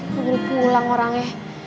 gue udah pulang orangnya